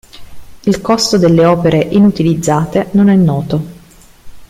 Il costo delle opere inutilizzate non è noto.